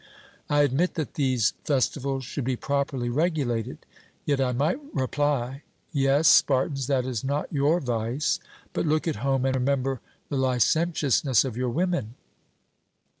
I admit that these festivals should be properly regulated. Yet I might reply, 'Yes, Spartans, that is not your vice; but look at home and remember the licentiousness of your women.'